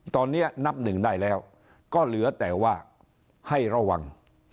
ตอนนี้นับหนึ่งได้แล้วก็เหลือแต่ว่าให้ระวัง